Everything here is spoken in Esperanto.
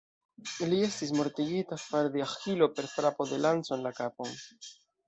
Li estis mortigita far de Aĥilo per frapo de lanco en la kapon.